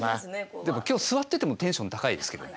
でも今日座っててもテンション高いですけどね。